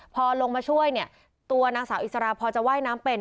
พอลงมาช่วยตัวนักสาวอิสระพอจะไหว้น้ำเป็น